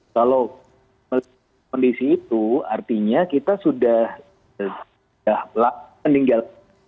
kalau melihat kondisi itu artinya kita sudah meninggal